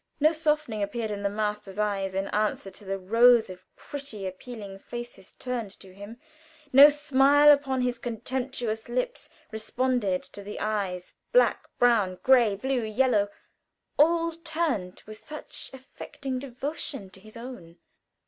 No softening appeared in the master's eyes in answer to the rows of pretty appealing faces turned to him; no smile upon his contemptuous lips responded to the eyes black, brown, gray, blue, yellow all turned with such affecting devotion to his own.